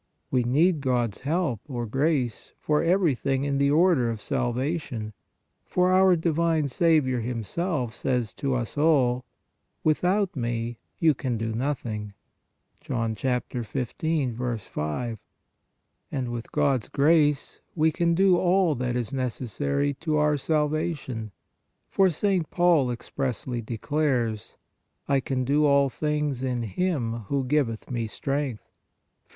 We need God s help, or grace, for everything in the order of salvation, for our divine Saviour Himself says to us all :" Without Me you can do nothing " (John 15. 5) ; and with God s grace we can do all that is necessary to our salvation, for St. Paul ex pressly declares :" I can do all things in Him Who giveth me strength " (Phil.